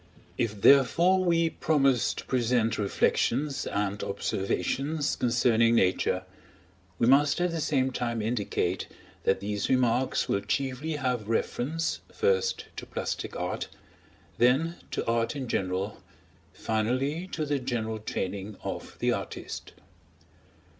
If, therefore, we promise to present reflections and observations concerning Nature, we must at the same time indicate that these remarks will chiefly have reference, first, to plastic art; then, to art in general; finally, to the general training of the artist.